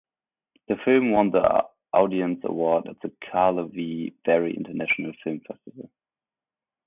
The film won the Audience Award at the Karlovy Vary International Film Festival.